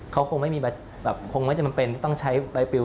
เขาคงไม่มีแบบคงไม่จำเป็นที่ต้องใช้ใบปิว